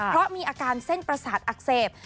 เพราะมีอาการเส้นประสาทอักเสบ